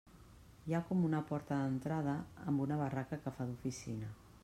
Hi ha com una porta d'entrada amb una barraca que fa d'oficina.